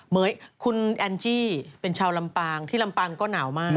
เหมือนคุณแอนจี้เป็นชาวลำปางที่ลำปางก็หนาวมาก